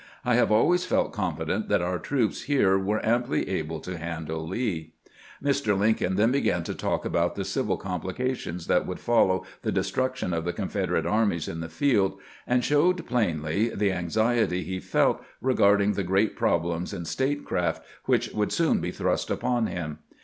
I have always felt confident that our troops here were amply able to handle Lee." Mr. Lincoln then began to talk about the civil complications that would foUow the destruction of the Confederate armies in the field, and showed plainly the anxiety he felt regarding the great problems in statecraft which would soon be thrust upon him.